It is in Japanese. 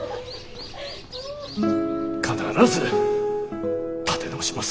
必ず立て直します。